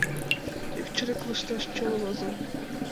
Ик чырык лышташ чоло возен...